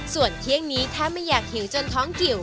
ส่วนเที่ยงนี้ถ้าไม่อยากหิวจนท้องกิว